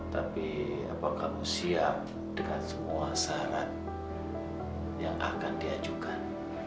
tapi apa kamu siap dengan semua syarat yang akan diajukan